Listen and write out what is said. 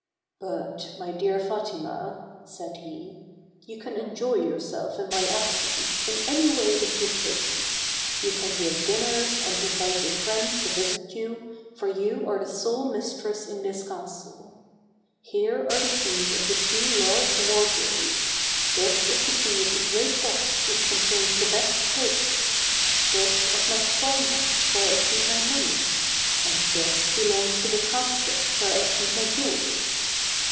"But, my dear Fatima," said he, "you can enjoy yourself in my absence, in any way that you please. You can give dinners, and invite your friends to visit you, for you are the sole mistress in this castle. Here are the keys of the two large wardrobes, this is the key of the great box which con tains the best plate ; this of my strong box where I keep my money; and this belongs to the casket where I keep my jew els.